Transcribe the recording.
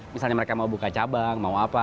misalnya mereka mau buka cabang mau apa